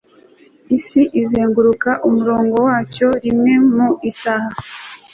isi izenguruka umurongo wacyo rimwe mu masaha